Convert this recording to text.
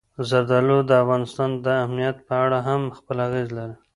زردالو د افغانستان د امنیت په اړه هم خپل اغېز لري.